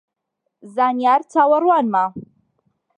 زانیار چاوەڕوانمە